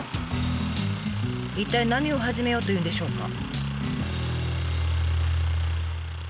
一体何を始めようというんでしょうか？